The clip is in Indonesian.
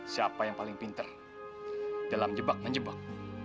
siapa yang paling pinter dalam jebak menjebak